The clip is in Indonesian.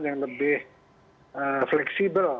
yang lebih fleksibel